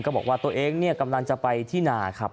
บอกว่าตัวเองกำลังจะไปที่นาครับ